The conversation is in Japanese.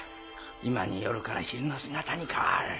今に夜から昼の姿に変わる。